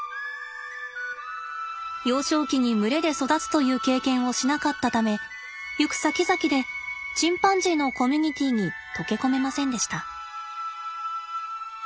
幼少期に群れで育つという経験をしなかったため行くさきざきでチンパンジーのコミュニティーに溶け込めませんでした。